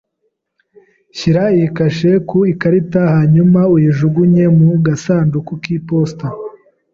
Shyira iyi kashe ku ikarita hanyuma uyijugunye mu gasanduku k'iposita.